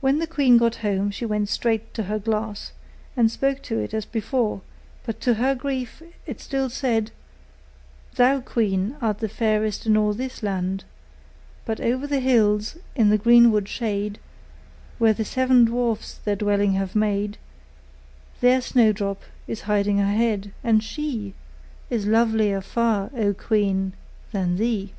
When the queen got home, she went straight to her glass, and spoke to it as before; but to her great grief it still said: 'Thou, queen, art the fairest in all this land: But over the hills, in the greenwood shade, Where the seven dwarfs their dwelling have made, There Snowdrop is hiding her head; and she Is lovelier far, O queen! than thee.